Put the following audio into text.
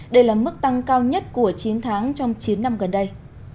đây là mức tăng cao nhất của chín tháng trong chín năm gần đây